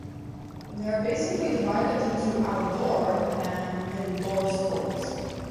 They are basically divided into outdoor and indoor sports.